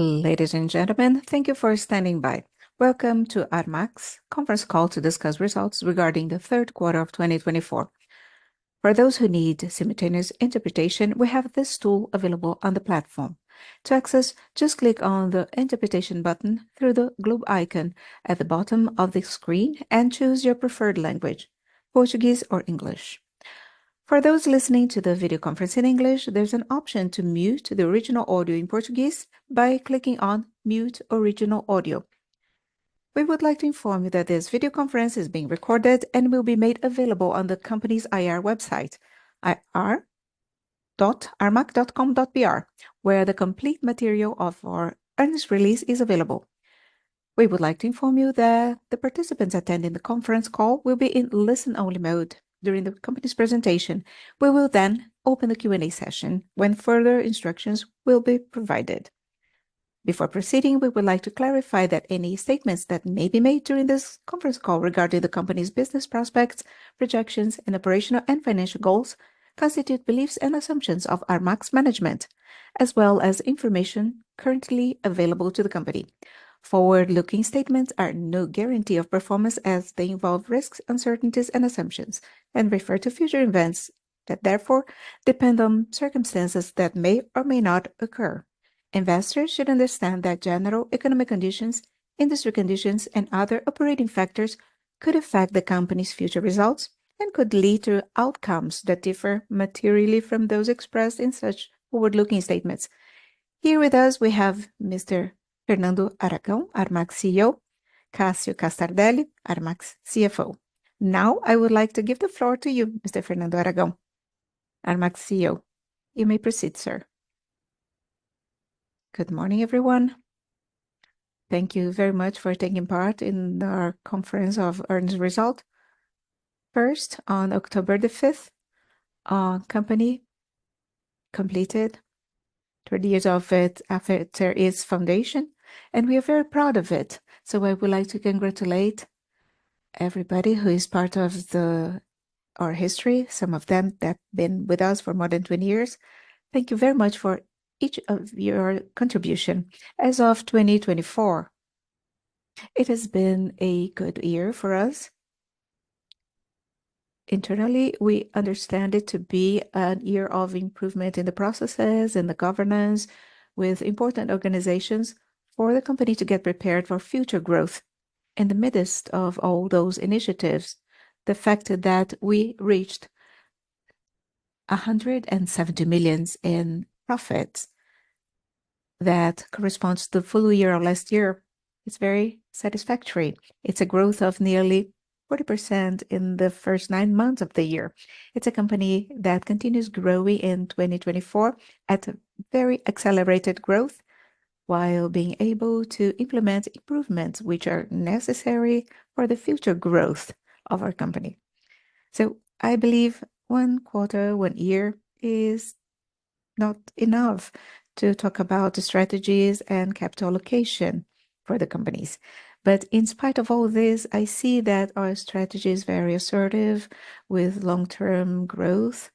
Ladies and gentlemen, thank you for standing by. Welcome to Armac's conference call to discuss results regarding the third quarter of 2024. For those who need simultaneous interpretation, we have this tool available on the platform. To access, just click on the Interpretation button through the globe icon at the bottom of the screen and choose your preferred language: Portuguese or English. For those listening to the video conference in English, there's an option to mute the original audio in Portuguese by clicking on Mute Original Audio. We would like to inform you that this video conference is being recorded and will be made available on the company's IR website, ir.armac.com.br, where the complete material of our earnings release is available. We would like to inform you that the participants attending the conference call will be in listen-only mode during the company's presentation. We will then open the Q&A session when further instructions will be provided. Before proceeding, we would like to clarify that any statements that may be made during this conference call regarding the company's business prospects, projections, and operational and financial goals constitute beliefs and assumptions of Armac's management, as well as information currently available to the company. Forward-looking statements are no guarantee of performance as they involve risks, uncertainties, and assumptions, and refer to future events that therefore depend on circumstances that may or may not occur. Investors should understand that general economic conditions, industry conditions, and other operating factors could affect the company's future results and could lead to outcomes that differ materially from those expressed in such forward-looking statements. Here with us, we have Mr. Fernando Aragão, Armac's CEO, Cássio Castardelli, Armac's CFO. Now, I would like to give the floor to you, Mr. Fernando Aragão, Armac's CEO. You may proceed, sir. Good morning, everyone. Thank you very much for taking part in our conference of earnings results. First, on October the 5th, our company completed 20 years of its foundation, and we are very proud of it. So I would like to congratulate everybody who is part of our history, some of them that have been with us for more than 20 years. Thank you very much for each of your contributions. As of 2024, it has been a good year for us. Internally, we understand it to be a year of improvement in the processes and the governance with important organizations for the company to get prepared for future growth. In the midst of all those initiatives, the fact that we reached 170 million in profits that corresponds to the full year of last year is very satisfactory. It's a growth of nearly 40% in the first nine months of the year. It's a company that continues growing in 2024 at very accelerated growth while being able to implement improvements which are necessary for the future growth of our company. So I believe one quarter, one year is not enough to talk about the strategies and capital allocation for the companies. But in spite of all this, I see that our strategy is very assertive with long-term growth,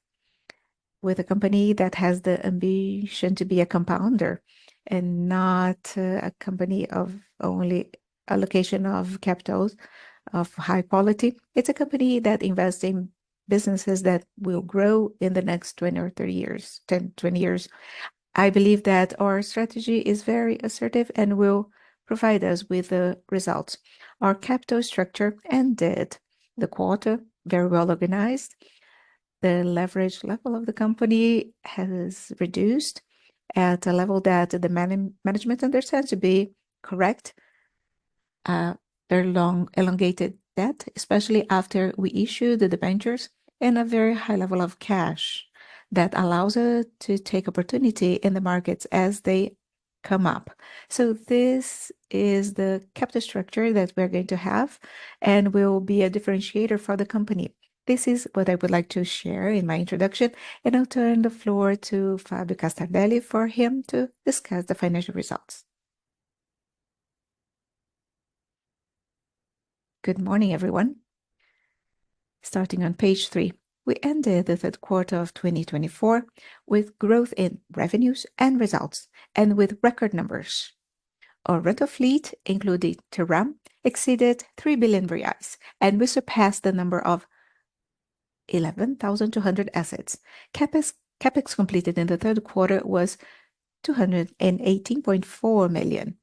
with a company that has the ambition to be a compounder and not a company of only allocation of capital of high quality. It's a company that invests in businesses that will grow in the next 20 or 30 years. I believe that our strategy is very assertive and will provide us with the results. Our capital structure ended the quarter very well organized. The leverage level of the company has reduced at a level that the management understands to be correct. Very long, elongated debt, especially after we issued the debentures and a very high level of cash that allows us to take opportunities in the markets as they come up. So this is the capital structure that we're going to have, and we'll be a differentiator for the company. This is what I would like to share in my introduction, and I'll turn the floor to Cássio Castardelli for him to discuss the financial results. Good morning, everyone. Starting on page three, we ended the third quarter of 2024 with growth in revenues and results and with record numbers. Our rental fleet, including Terram, exceeded 3 billion reais, and we surpassed the number of 11,200 assets. CapEx completed in the third quarter was 218.4 million.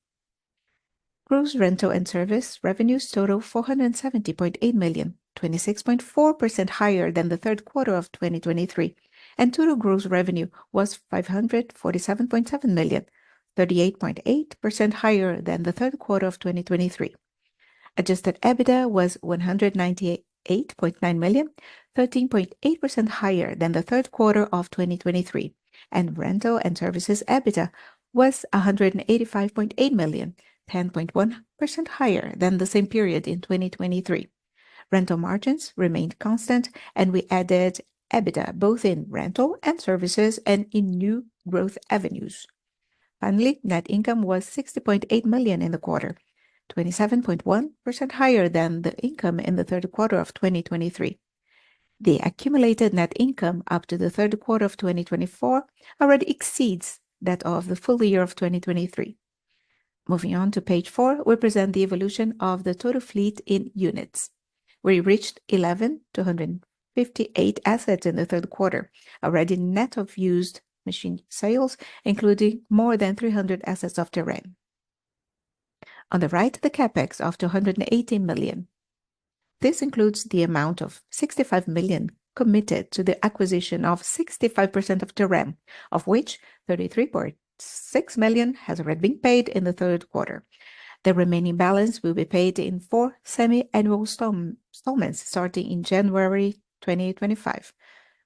Gross rental and service revenues total 470.8 million, 26.4% higher than the third quarter of 2023. And total gross revenue was 547.7 million, 38.8% higher than the third quarter of 2023. Adjusted EBITDA was 198.9 million, 13.8% higher than the third quarter of 2023. And rental and services EBITDA was 185.8 million, 10.1% higher than the same period in 2023. Rental margins remained constant, and we added EBITDA both in rental and services and in new growth avenues. Finally, net income was 60.8 million in the quarter, 27.1% higher than the income in the third quarter of 2023. The accumulated net income up to the third quarter of 2024 already exceeds that of the full year of 2023. Moving on to page four, we present the evolution of the total fleet in units. We reached 11,258 assets in the third quarter, already net of used machine sales, including more than 300 assets of Terram. On the right, the CapEx of 218 million. This includes the amount of 65 million committed to the acquisition of 65% of Terram, of which 33.6 million has already been paid in the third quarter. The remaining balance will be paid in four semi-annual installments starting in January 2025.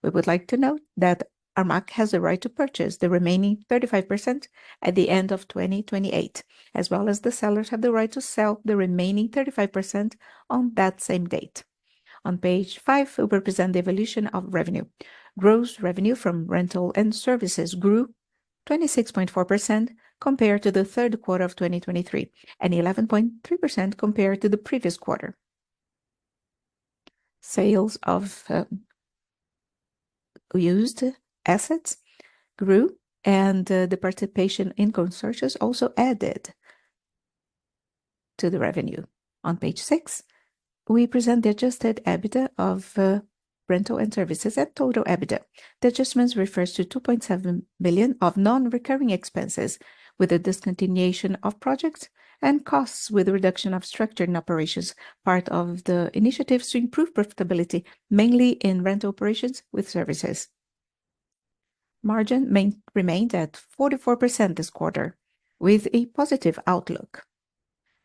We would like to note that Armac has the right to purchase the remaining 35% at the end of 2028, as well as the sellers have the right to sell the remaining 35% on that same date. On page five, we present the evolution of revenue. Gross revenue from rental and services grew 26.4% compared to the third quarter of 2023 and 11.3% compared to the previous quarter. Sales of used assets grew, and the participation in consortiums also added to the revenue. On page six, we present the Adjusted EBITDA of rental and services and total EBITDA. The adjustments refer to 2.7 million of non-recurring expenses with the discontinuation of projects and costs with the reduction of structuring operations, part of the initiatives to improve profitability, mainly in rental operations with services. Margin remained at 44% this quarter, with a positive outlook.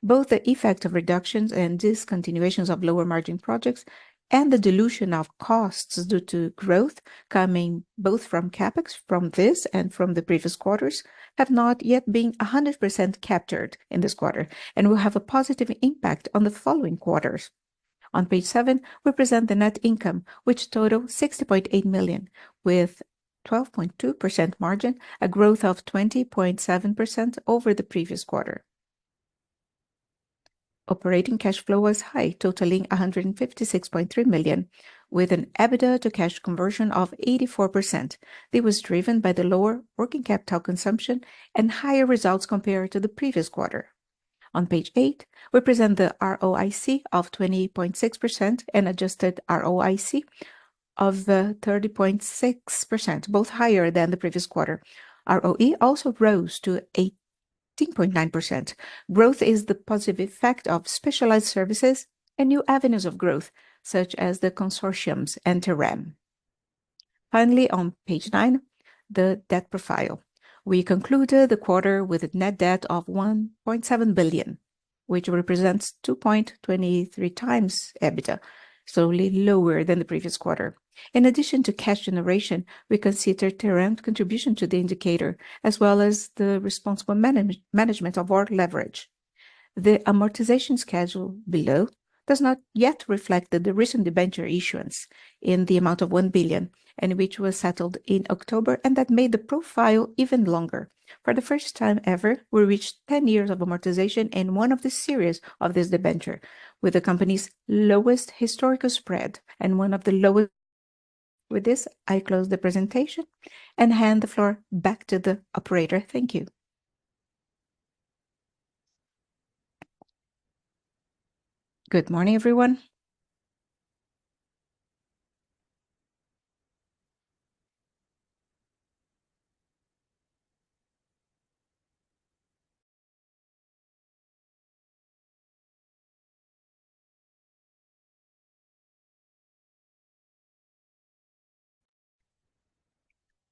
Both the effect of reductions and discontinuations of lower margin projects and the dilution of costs due to growth coming both from CapEx from this and from the previous quarters have not yet been 100% captured in this quarter and will have a positive impact on the following quarters. On page seven, we present the net income, which totaled BRL 60.8 million with 12.2% margin, a growth of 20.7% over the previous quarter. Operating cash flow was high, totaling 156.3 million, with an EBITDA to cash conversion of 84%. It was driven by the lower working capital consumption and higher results compared to the previous quarter. On page eight, we present the ROIC of 20.6% and adjusted ROIC of 30.6%, both higher than the previous quarter. ROE also rose to 18.9%. Growth is the positive effect of specialized services and new avenues of growth, such as the consortiums and Terram. Finally, on page nine, the debt profile. We concluded the quarter with a net debt of 1.7 billion, which represents 2.2x EBITDA, slowly lower than the previous quarter. In addition to cash generation, we consider Terram's contribution to the indicator, as well as the responsible management of our leverage. The amortization schedule below does not yet reflect the recent debenture issuance in the amount of 1 billion, which was settled in October, and that made the profile even longer. For the first time ever, we reached 10 years of amortization in one of the series of this debenture, with the company's lowest historical spread and one of the lowest. With this, I close the presentation and hand the floor back to the operator. Thank you. Good morning, everyone.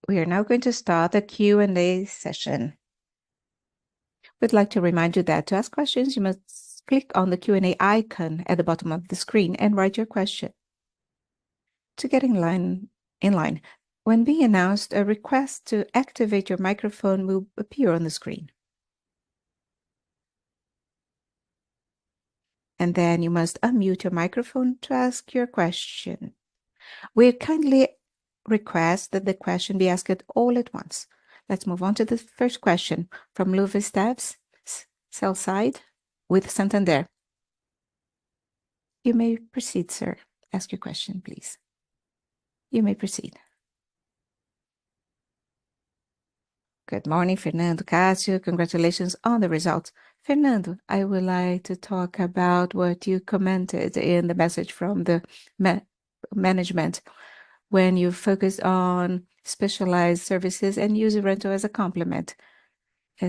We are now going to start the Q&A session. We'd like to remind you that to ask questions, you must click on the Q&A icon at the bottom of the screen and write your question. To get in line, when being announced, a request to activate your microphone will appear on the screen. And then you must unmute your microphone to ask your question. We kindly request that the question be asked all at once. Let's move on to the first question from Lucas Esteves, sell-side with Santander. You may proceed, sir. Ask your question, please. You may proceed. Good morning, Fernando, Cássio. Congratulations on the results. Fernando, I would like to talk about what you commented in the message from the management when you focused on specialized services and use rental as a complement.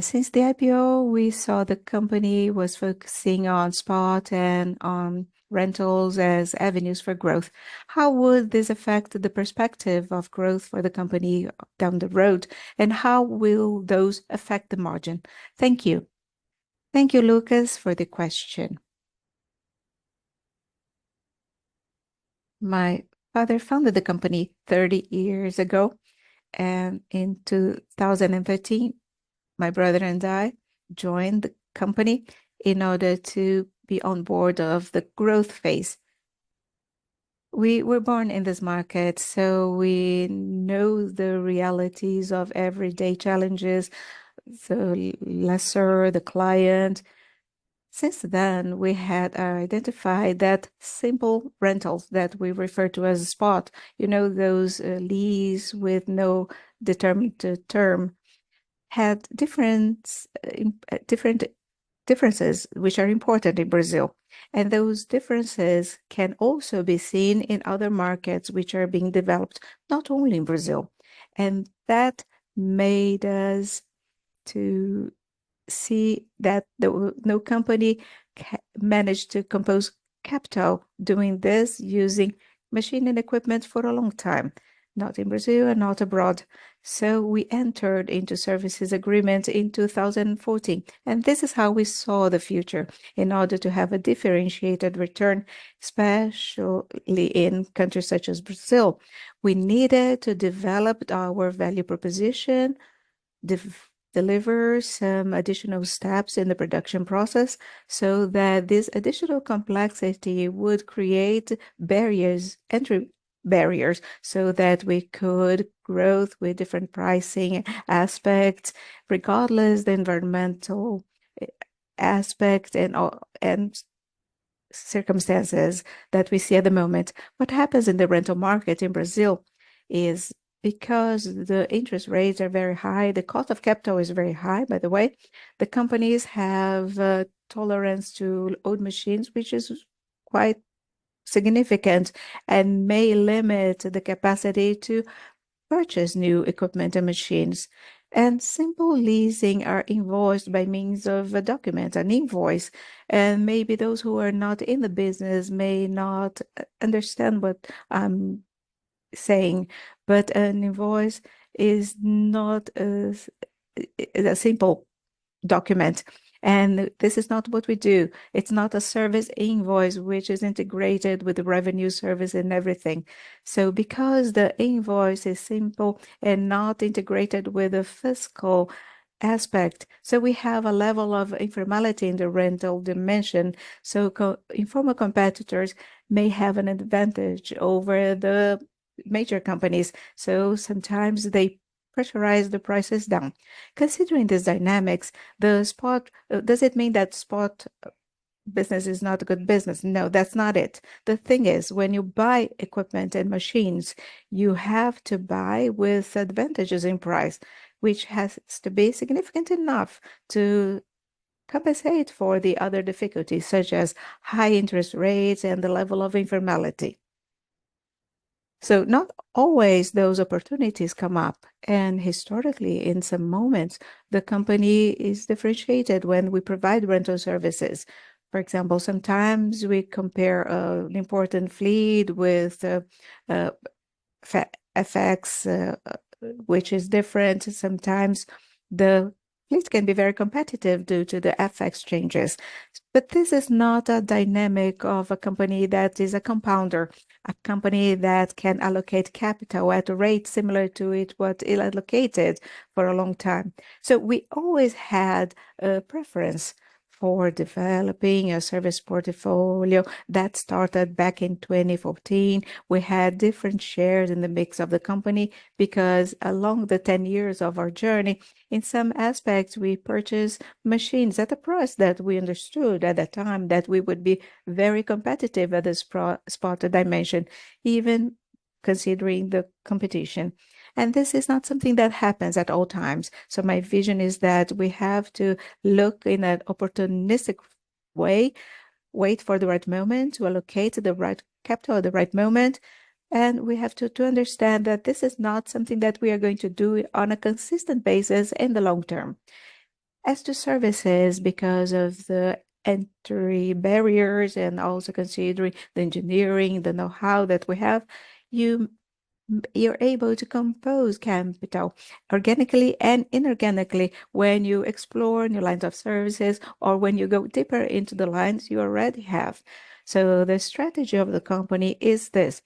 Since the IPO, we saw the company was focusing on spot and on rentals as avenues for growth. How would this affect the perspective of growth for the company down the road, and how will those affect the margin? Thank you. Thank you, Lucas, for the question. My father founded the company 30 years ago, and in 2013, my brother and I joined the company in order to be on board of the growth phase. We were born in this market, so we know the realities of everyday challenges, so less for the client. Since then, we had identified that simple rentals that we refer to as spot, you know, those leases with no determined term, had different differences which are important in Brazil. And those differences can also be seen in other markets which are being developed, not only in Brazil. And that made us to see that no company managed to compound capital doing this using machines and equipment for a long time, not in Brazil and not abroad. So we entered into services agreements in 2014, and this is how we saw the future. In order to have a differentiated return, especially in countries such as Brazil, we needed to develop our value proposition, deliver some additional steps in the production process so that this additional complexity would create barriers, entry barriers, so that we could grow with different pricing aspects, regardless of the environmental aspects and circumstances that we see at the moment. What happens in the rental market in Brazil is because the interest rates are very high, the cost of capital is very high, by the way. The companies have a tolerance to old machines, which is quite significant and may limit the capacity to purchase new equipment and machines. And simple leasing is invoiced by means of a document, an invoice. And maybe those who are not in the business may not understand what I'm saying, but an invoice is not a simple document. This is not what we do. It's not a service invoice which is integrated with the revenue service and everything. Because the invoice is simple and not integrated with the fiscal aspect, we have a level of informality in the rental dimension. Informal competitors may have an advantage over the major companies. Sometimes they pressurize the prices down. Considering these dynamics, the spot, does it mean that spot business is not a good business? No, that's not it. The thing is, when you buy equipment and machines, you have to buy with advantages in price, which has to be significant enough to compensate for the other difficulties, such as high interest rates and the level of informality. Not always those opportunities come up. Historically, in some moments, the company is differentiated when we provide rental services. For example, sometimes we compare an important fleet with FX, which is different. Sometimes the fleet can be very competitive due to the FX changes. But this is not a dynamic of a company that is a compounder, a company that can allocate capital at a rate similar to what it allocated for a long time. So we always had a preference for developing a service portfolio that started back in 2014. We had different shares in the mix of the company because along the 10 years of our journey, in some aspects, we purchased machines at a price that we understood at the time that we would be very competitive at this spot dimension, even considering the competition. And this is not something that happens at all times. So my vision is that we have to look in an opportunistic way, wait for the right moment to allocate the right capital at the right moment. And we have to understand that this is not something that we are going to do on a consistent basis in the long term. As to services, because of the entry barriers and also considering the engineering, the know-how that we have, you're able to compose capital organically and inorganically when you explore new lines of services or when you go deeper into the lines you already have. So the strategy of the company is this.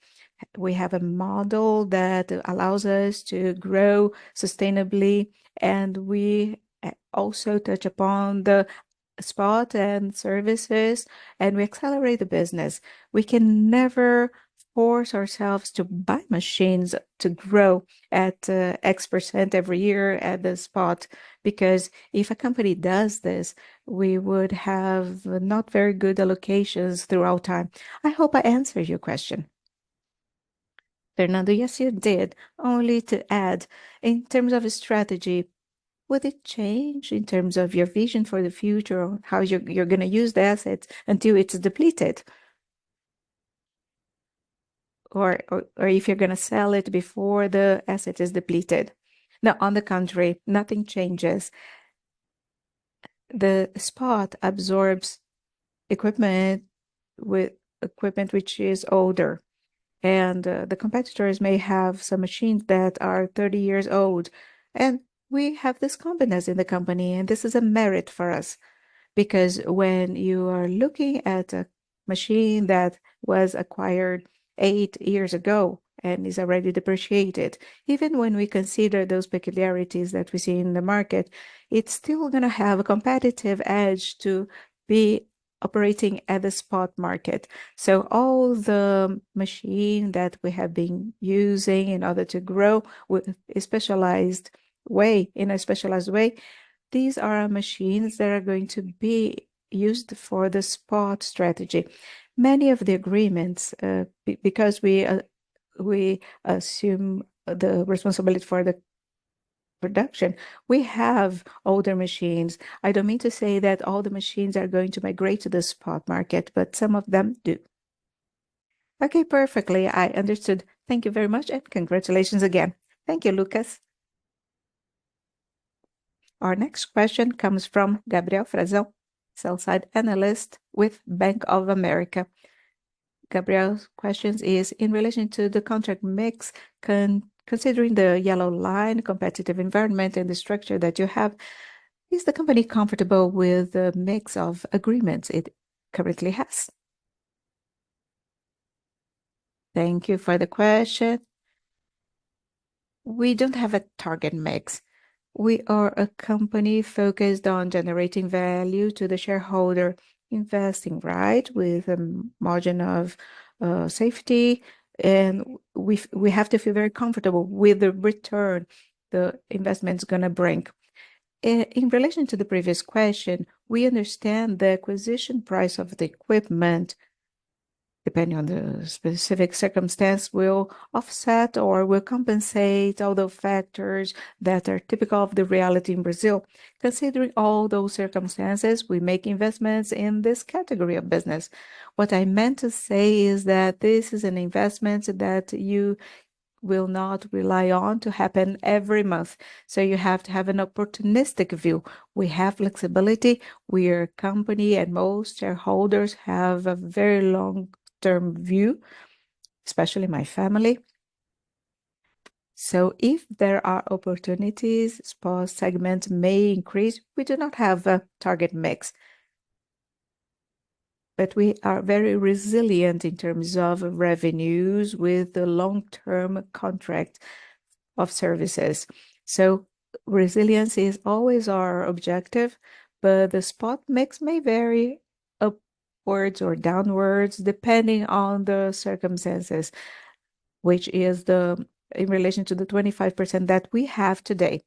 We have a model that allows us to grow sustainably, and we also touch upon the spot and services, and we accelerate the business. We can never force ourselves to buy machines to grow at X% every year at the spot because if a company does this, we would have not very good allocations throughout time. I hope I answered your question. Fernando, yes, you did. Only to add, in terms of a strategy, would it change in terms of your vision for the future or how you're going to use the asset until it's depleted? Or if you're going to sell it before the asset is depleted? Now, on the contrary, nothing changes. The spot absorbs equipment with equipment which is older. And the competitors may have some machines that are 30 years old. And we have this combination in the company, and this is a merit for us because when you are looking at a machine that was acquired eight years ago and is already depreciated, even when we consider those peculiarities that we see in the market, it's still going to have a competitive edge to be operating at the spot market. So all the machine that we have been using in order to grow with a specialized way, in a specialized way, these are machines that are going to be used for the spot strategy. Many of the agreements, because we assume the responsibility for the production, we have older machines. I don't mean to say that all the machines are going to migrate to the spot market, but some of them do. Okay, perfectly. I understood. Thank you very much, and congratulations again. Thank you, Lucas. Our next question comes from Gabriel Frazão, sell-side analyst with Bank of America. Gabriel's question is in relation to the contract mix. Considering the yellow line, competitive environment, and the structure that you have, is the company comfortable with the mix of agreements it currently has? Thank you for the question. We don't have a target mix. We are a company focused on generating value to the shareholder, investing right with a margin of safety. And we have to feel very comfortable with the return the investment is going to bring. In relation to the previous question, we understand the acquisition price of the equipment, depending on the specific circumstance, will offset or will compensate all the factors that are typical of the reality in Brazil. Considering all those circumstances, we make investments in this category of business. What I meant to say is that this is an investment that you will not rely on to happen every month. So you have to have an opportunistic view. We have flexibility. We are a company, and most shareholders have a very long-term view, especially my family. So if there are opportunities, spot segments may increase. We do not have a target mix, but we are very resilient in terms of revenues with the long-term contract of services. So resilience is always our objective, but the spot mix may vary upwards or downwards depending on the circumstances, which is in relation to the 25% that we have today.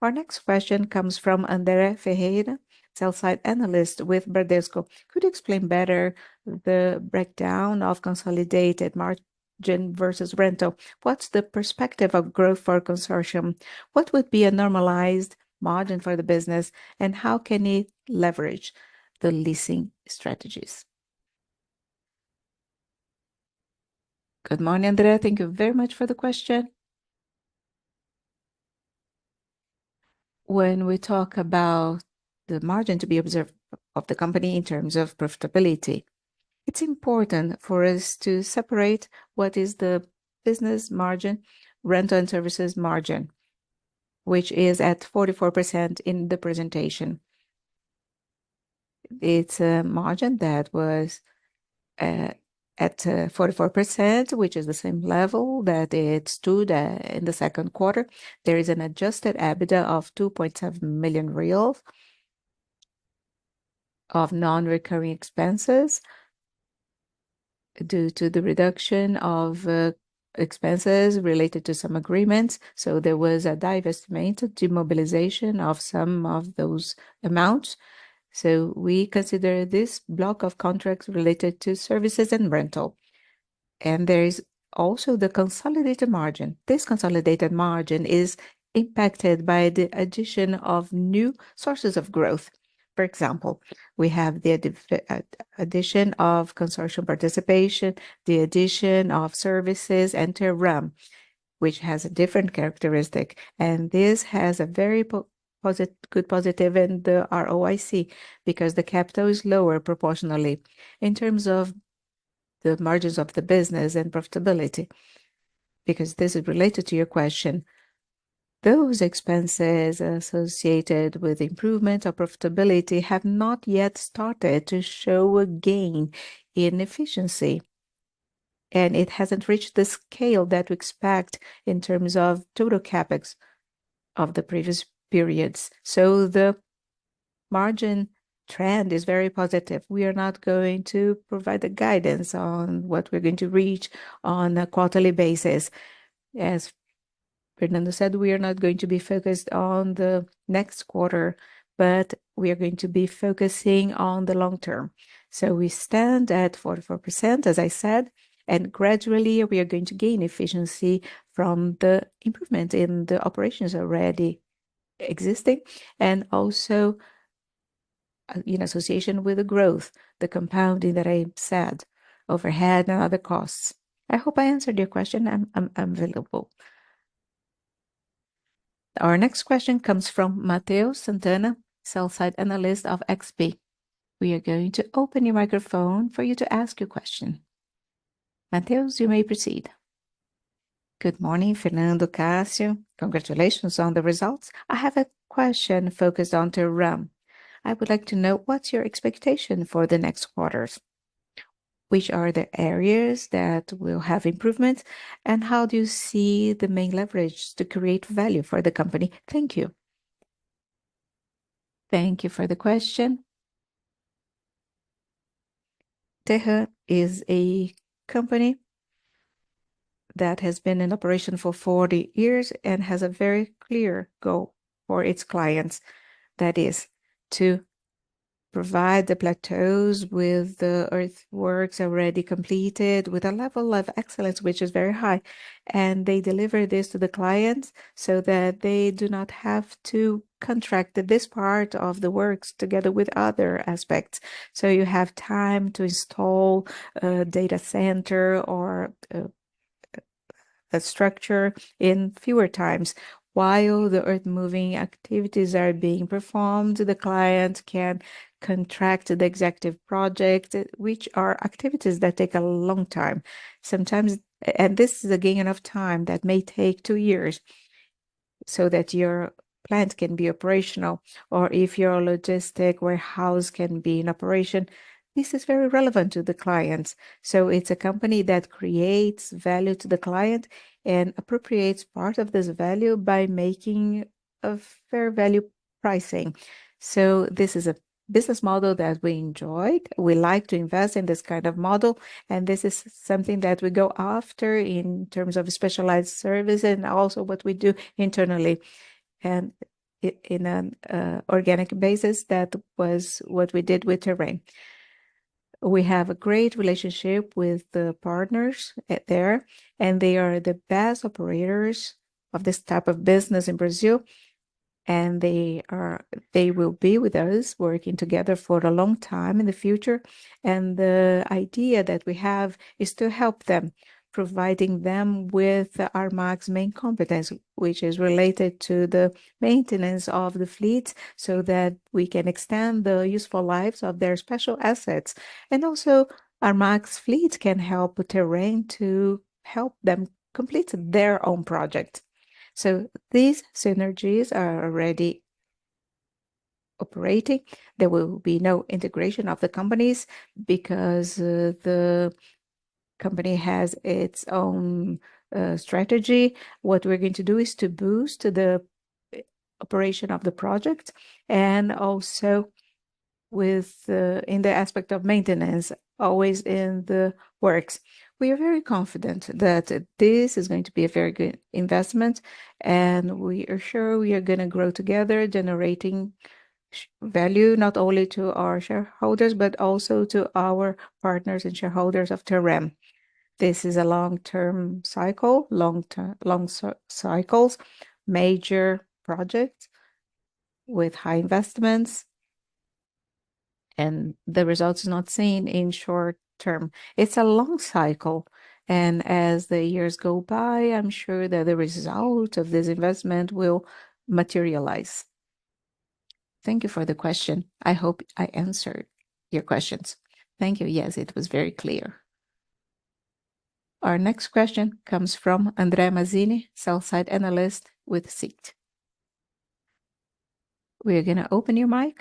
Our next question comes from Andre Ferreira, sell-side analyst with Bradesco. Could you explain better the breakdown of consolidated margin versus rental? What's the perspective of growth for a consortium? What would be a normalized margin for the business, and how can it leverage the leasing strategies? Good morning, Andre. Thank you very much for the question. When we talk about the margin to be observed of the company in terms of profitability, it's important for us to separate what is the business margin, rental and services margin, which is at 44% in the presentation. It's a margin that was at 44%, which is the same level that it stood in the second quarter. There is an adjusted EBITDA of 2.7 million reais of non-recurring expenses due to the reduction of expenses related to some agreements. So there was a divestment and estimated demobilization of some of those amounts. So we consider this block of contracts related to services and rental. And there is also the consolidated margin. This consolidated margin is impacted by the addition of new sources of growth. For example, we have the addition of consortium participation, the addition of services and Terram, which has a different characteristic, and this has a very good positive in the ROIC because the capital is lower proportionally in terms of the margins of the business and profitability. Because this is related to your question, those expenses associated with improvement of profitability have not yet started to show a gain in efficiency, and it hasn't reached the scale that we expect in terms of total CapEx of the previous periods, so the margin trend is very positive. We are not going to provide the guidance on what we're going to reach on a quarterly basis. As Fernando said, we are not going to be focused on the next quarter, but we are going to be focusing on the long term. We stand at 44%, as I said, and gradually we are going to gain efficiency from the improvement in the operations already existing and also in association with the growth, the compounding that I said overhead and other costs. I hope I answered your question. I'm available. Our next question comes from Matheus Sant'Anna, sell-side analyst of XP. We are going to open your microphone for you to ask your question. Matheus, you may proceed. Good morning, Fernando, Cássio. Congratulations on the results. I have a question focused on Terram. I would like to know what's your expectation for the next quarters? Which are the areas that will have improvement, and how do you see the main leverage to create value for the company? Thank you. Thank you for the question. Terram is a company that has been in operation for 40 years and has a very clear goal for its clients. That is to provide the plateaus with the earthworks already completed with a level of excellence, which is very high. And they deliver this to the clients so that they do not have to contract this part of the works together with other aspects. So you have time to install a data center or a structure in fewer times. While the earth-moving activities are being performed, the client can contract the executive projects, which are activities that take a long time. Sometimes, and this is a gain of time that may take two years so that your plant can be operational, or if your logistic warehouse can be in operation, this is very relevant to the clients. It's a company that creates value to the client and appropriates part of this value by making a fair value pricing. So this is a business model that we enjoy. We like to invest in this kind of model, and this is something that we go after in terms of specialized service and also what we do internally and in an organic basis. That was what we did with Terram. We have a great relationship with the partners there, and they are the best operators of this type of business in Brazil. And they will be with us working together for a long time in the future. And the idea that we have is to help them, providing them with Armac's main competence, which is related to the maintenance of the fleet so that we can extend the useful lives of their special assets. And also, Armac's fleet can help Terram to help them complete their own project. So these synergies are already operating. There will be no integration of the companies because the company has its own strategy. What we're going to do is to boost the operation of the project and also within the aspect of maintenance, always in the works. We are very confident that this is going to be a very good investment, and we are sure we are going to grow together, generating value not only to our shareholders, but also to our partners and shareholders of Terram. This is a long-term cycle, long cycles, major projects with high investments, and the results are not seen in short term. It's a long cycle, and as the years go by, I'm sure that the result of this investment will materialize. Thank you for the question. I hope I answered your questions. Thank you. Yes, it was very clear. Our next question comes from André Mazini, sell-side analyst with Citi. We are going to open your mic,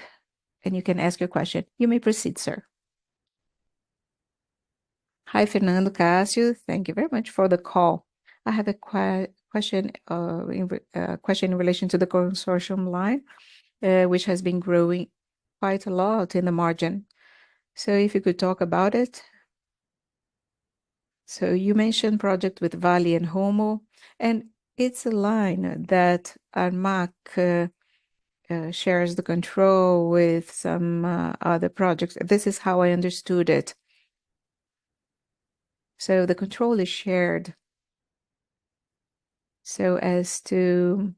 and you can ask your question. You may proceed, sir. Hi, Fernando, Cássio. Thank you very much for the call. I have a question in relation to the consortium line, which has been growing quite a lot in the margin. So if you could talk about it. So you mentioned a project with Vale and Rumo, and it's a line that Armac shares the control with some other projects. This is how I understood it. So the control is shared. So as to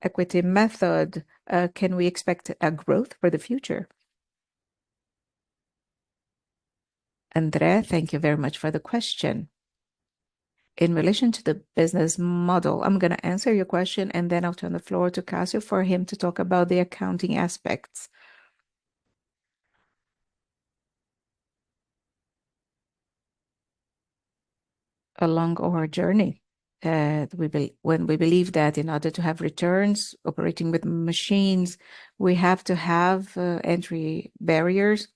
equity method, can we expect a growth for the future? André, thank you very much for the question. In relation to the business model, I'm going to answer your question, and then I'll turn the floor to Cássio for him to talk about the accounting aspects. Along our journey, we believe that in order to have returns operating with machines, we have to have entry barriers.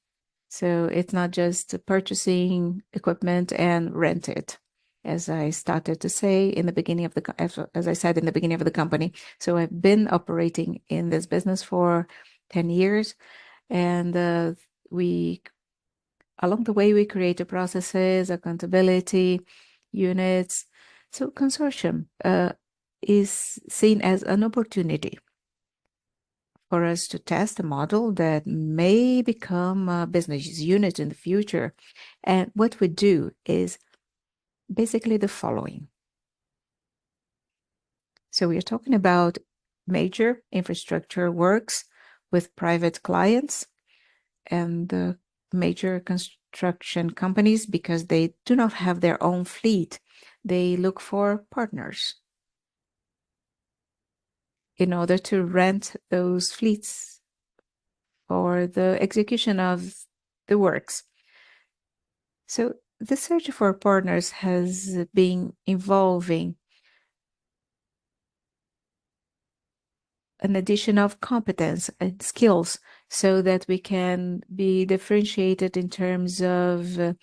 It's not just purchasing equipment and rent it, as I started to say, as I said in the beginning of the company. I've been operating in this business for 10 years, and along the way, we create processes, accountability units. Consortium is seen as an opportunity for us to test a model that may become a business unit in the future. What we do is basically the following. We are talking about major infrastructure works with private clients and major construction companies because they do not have their own fleet. They look for partners in order to rent those fleets for the execution of the works. So the search for partners has been involving an addition of competence and skills so that we can be differentiated in terms of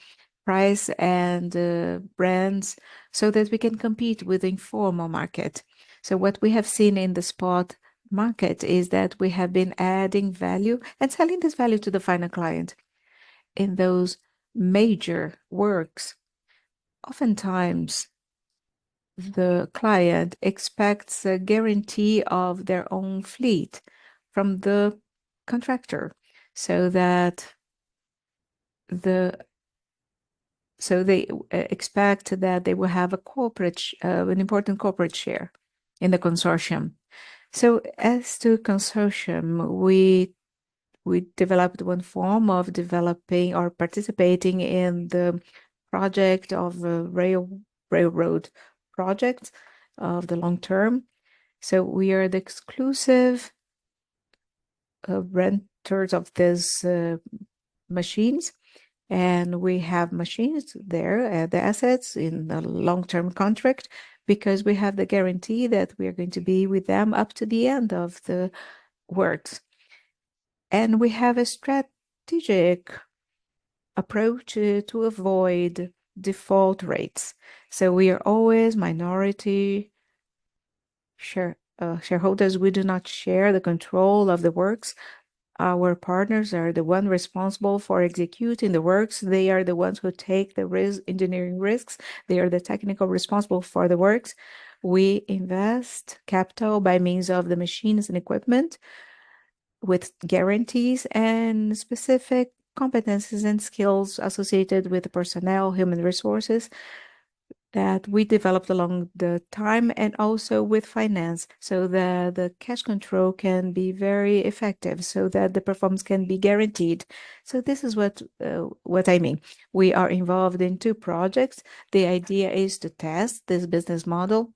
price and brands so that we can compete with the informal market. So what we have seen in the spot market is that we have been adding value and selling this value to the final client in those major works. Oftentimes, the client expects a guarantee of their own fleet from the contractor so that they expect that they will have an important corporate share in the consortium. So, as to the consortium, we developed one form of developing or participating in the project of a railroad project of the long term. So, we are the exclusive renters of these machines, and we have machines there, the assets in the long-term contract because we have the guarantee that we are going to be with them up to the end of the works. And we have a strategic approach to avoid default rates. So we are always minority shareholders. We do not share the control of the works. Our partners are the ones responsible for executing the works. They are the ones who take the engineering risks. They are the technically responsible for the works. We invest capital by means of the machines and equipment with guarantees and specific competencies and skills associated with the personnel, human resources that we developed over time and also with finance so that the cash control can be very effective so that the performance can be guaranteed. So this is what I mean. We are involved in two projects. The idea is to test this business model.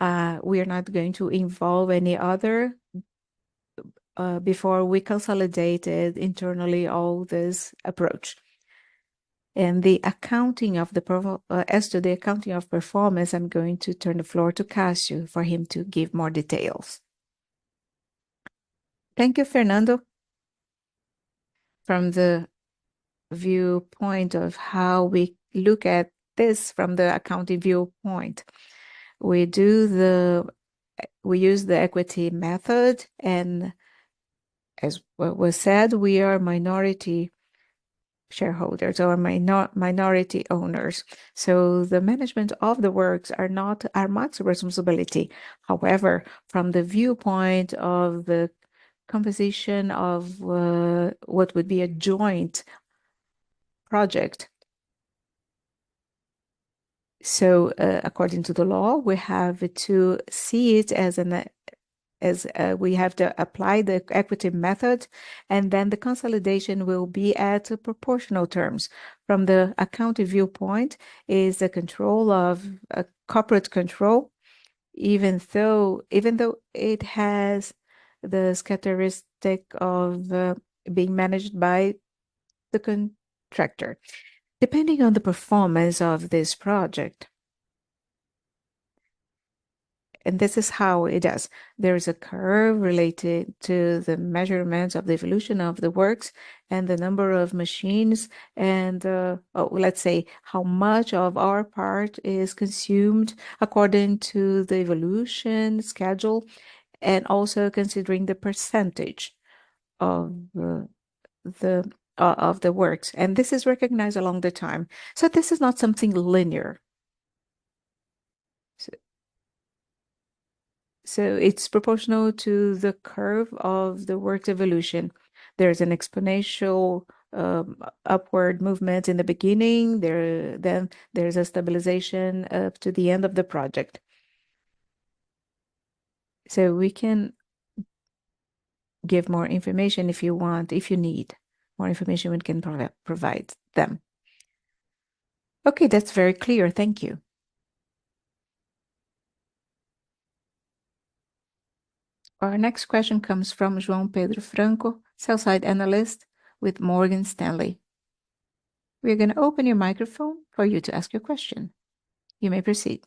We are not going to involve any other before we consolidated internally all this approach, and the accounting of the performance, as to the accounting of performance, I'm going to turn the floor to Cássio for him to give more details. Thank you, Fernando. From the viewpoint of how we look at this from the accounting viewpoint, we use the equity method, and as was said, we are minority shareholders or minority owners. So the management of the works are not Armac's responsibility. However, from the viewpoint of the composition of what would be a joint project, so according to the law, we have to see it as we have to apply the equity method, and then the consolidation will be at proportional terms. From the accounting viewpoint, it is the control of corporate control, even though it has the characteristic of being managed by the contractor, depending on the performance of this project, and this is how it does. There is a curve related to the measurements of the evolution of the works and the number of machines and, let's say, how much of our part is consumed according to the evolution schedule and also considering the percentage of the works, and this is recognized along the time, so this is not something linear, so it's proportional to the curve of the work's evolution. There is an exponential upward movement in the beginning, then there is a stabilization up to the end of the project, so we can give more information if you want, if you need more information, we can provide them. Okay, that's very clear. Thank you. Our next question comes from João Pedro Franco, sell-side analyst with Morgan Stanley. We are going to open your microphone for you to ask your question. You may proceed.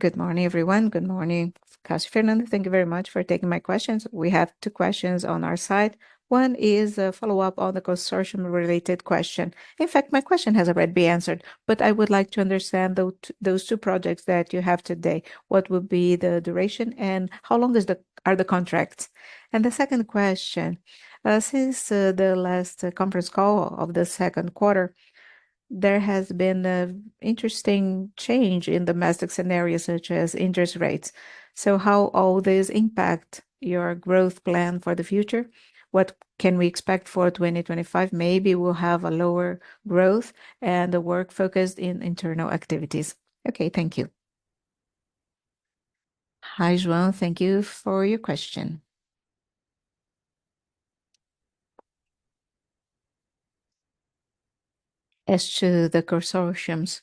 Good morning, everyone. Good morning, Cássio, Fernando. Thank you very much for taking my questions. We have two questions on our side. One is a follow-up on the consortium-related question. In fact, my question has already been answered, but I would like to understand those two projects that you have today. What would be the duration and how long are the contracts? And the second question, since the last conference call of the second quarter, there has been an interesting change in domestic scenarios such as interest rates. So how will this impact your growth plan for the future? What can we expect for 2025? Maybe we'll have a lower growth and the work focused in internal activities. Okay, thank you. Hi, João. Thank you for your question. As to the consortiums,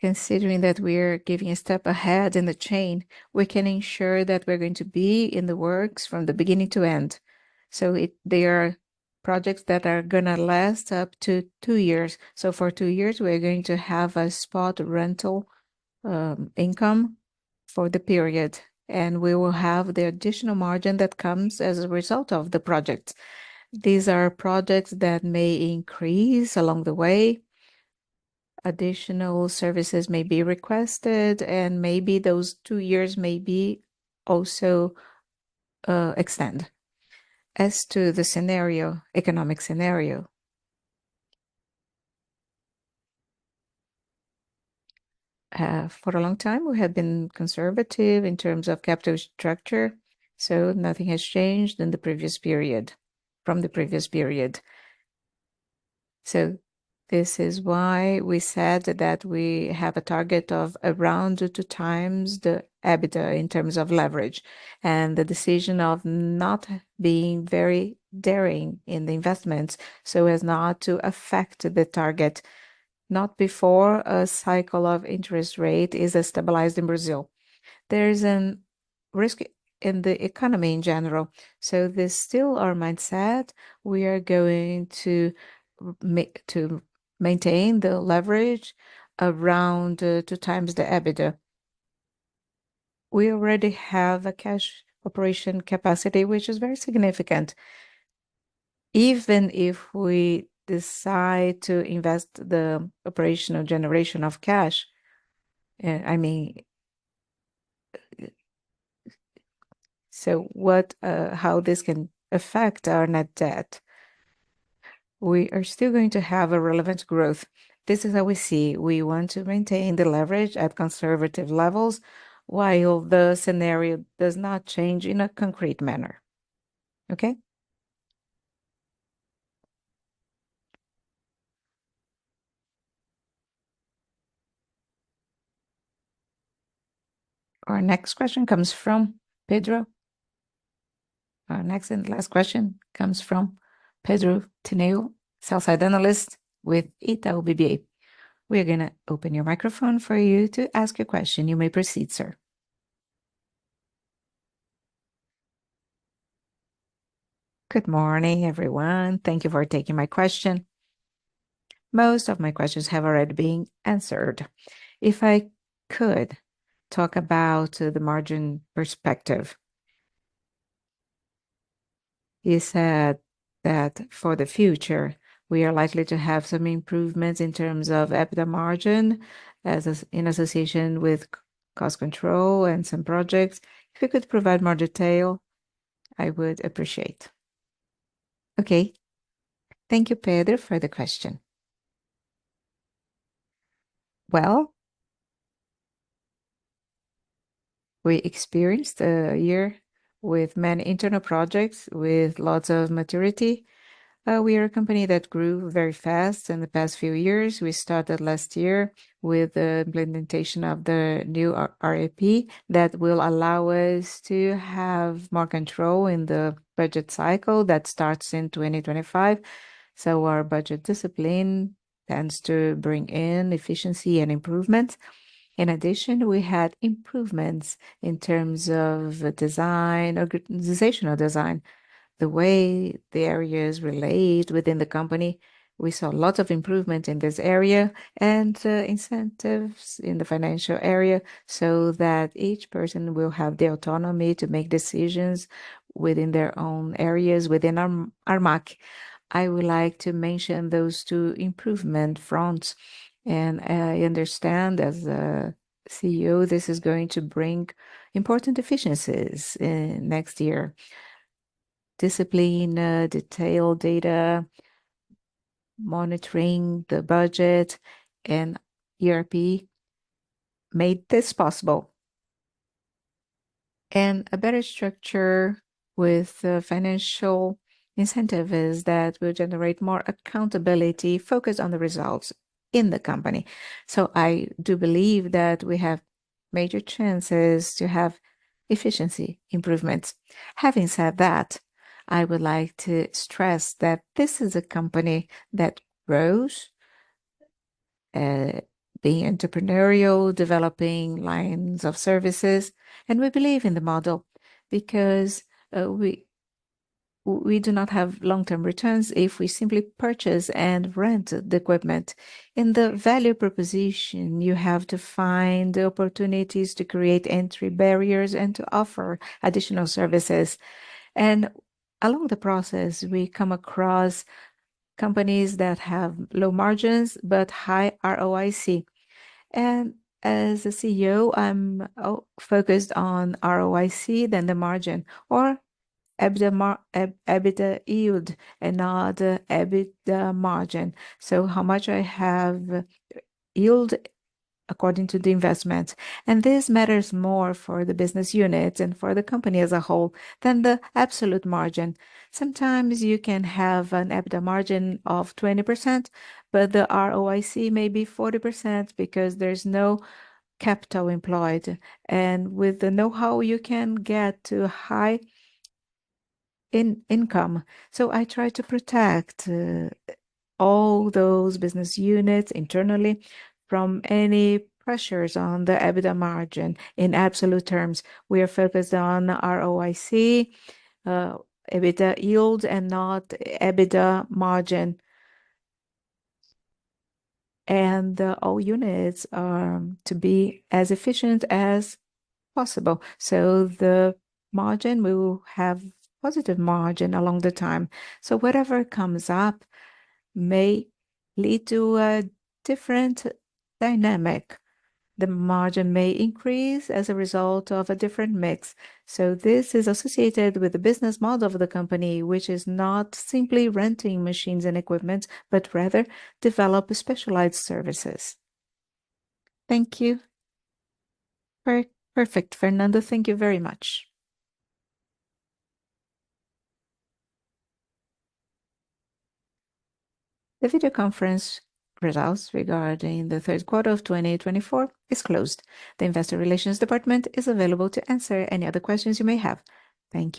considering that we are giving a step ahead in the chain, we can ensure that we're going to be in the works from the beginning to end, so there are projects that are going to last up to two years, so for two years, we're going to have a spot rental income for the period, and we will have the additional margin that comes as a result of the project. These are projects that may increase along the way. Additional services may be requested, and maybe those two years may be also extended. As to the scenario, economic scenario, for a long time, we have been conservative in terms of capital structure, so nothing has changed in the previous period, from the previous period. This is why we said that we have a target of around two times the EBITDA in terms of leverage and the decision of not being very daring in the investments so as not to affect the target, not before a cycle of interest rate is stabilized in Brazil. There is a risk in the economy in general. This still our mindset. We are going to maintain the leverage around 2x the EBITDA. We already have a cash operation capacity, which is very significant. Even if we decide to invest the operational generation of cash, I mean, so how this can affect our net debt, we are still going to have a relevant growth. This is how we see. We want to maintain the leverage at conservative levels while the scenario does not change in a concrete manner. Okay. Our next question comes from Pedro. Our next and last question comes from Pedro Tineo, sell-side analyst with Itaú BBA. We are going to open your microphone for you to ask your question. You may proceed, sir. Good morning, everyone. Thank you for taking my question. Most of my questions have already been answered. If I could talk about the margin perspective, he said that for the future, we are likely to have some improvements in terms of EBITDA margin in association with cost control and some projects. If you could provide more detail, I would appreciate it. Okay. Thank you, Pedro, for the question. Well, we experienced a year with many internal projects with lots of maturity. We are a company that grew very fast in the past few years. We started last year with the implementation of the new RAP that will allow us to have more control in the budget cycle that starts in 2025, so our budget discipline tends to bring in efficiency and improvements. In addition, we had improvements in terms of design, organizational design, the way the areas relate within the company. We saw lots of improvements in this area and incentives in the financial area so that each person will have the autonomy to make decisions within their own areas within Armac. I would like to mention those two improvement fronts, and I understand as a CEO, this is going to bring important efficiencies next year. Discipline, detailed data, monitoring the budget, and ERP made this possible, and a better structure with financial incentives is that we'll generate more accountability focused on the results in the company. So I do believe that we have major chances to have efficiency improvements. Having said that, I would like to stress that this is a company that grows, being entrepreneurial, developing lines of services. And we believe in the model because we do not have long-term returns if we simply purchase and rent the equipment. In the value proposition, you have to find the opportunities to create entry barriers and to offer additional services. And along the process, we come across companies that have low margins but high ROIC. And as a CEO, I'm focused on ROIC than the margin or EBITDA yield and not EBITDA margin. So how much I have yield according to the investment. And this matters more for the business unit and for the company as a whole than the absolute margin. Sometimes you can have an EBITDA margin of 20%, but the ROIC may be 40% because there's no capital employed. And with the know-how, you can get to high income. So I try to protect all those business units internally from any pressures on the EBITDA margin. In absolute terms, we are focused on ROIC, EBITDA yield, and not EBITDA margin. And all units are to be as efficient as possible. So the margin, we will have positive margin along the time. So whatever comes up may lead to a different dynamic. The margin may increase as a result of a different mix. So this is associated with the business model of the company, which is not simply renting machines and equipment, but rather developing specialized services. Thank you. Perfect, Fernando. Thank you very much. The video conference results regarding the third quarter of 2024 is closed. The Investor Relations department is available to answer any other questions you may have. Thank you.